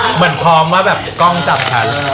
เหมือนพร้อมว่าแบบกล้องจับฉัน